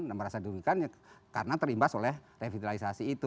nah merasa dirugikan karena terimbas oleh revitalisasi itu